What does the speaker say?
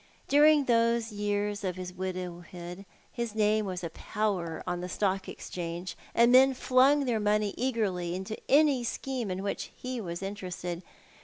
During those years of his widowhood his name was a power on the Stock Exchange, and men flung their money eagerly into any scheme in which he was interested.